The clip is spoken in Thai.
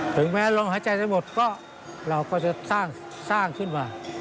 ถึงแม้ลมหายใจจะหมดก็เราก็จะสร้างขึ้นมา